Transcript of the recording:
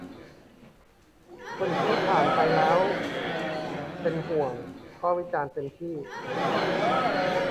คนที่ผ่านไปเห็นแล้วเป็นห่วง ก็วิจารณ์เต็มที่